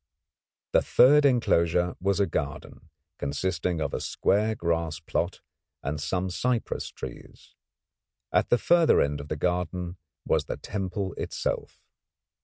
The third enclosure was a garden, consisting of a square grass plot and some cypress trees. At the further end of the garden was the temple itself.